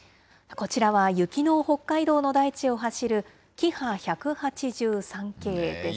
こちらは雪の北海道の大地を走るキハ１８３系です。